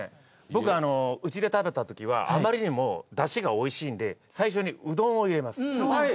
僕あの家で食べた時はあまりにも出汁が美味しいんで最初にうどんを入れますはい！